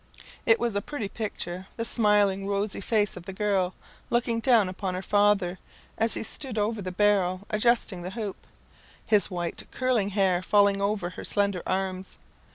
It was a pretty picture; the smiling rosy face of the girl looking down upon her father, as he stooped over the barrel adjusting the hoop, his white curling hair falling over her slender arms.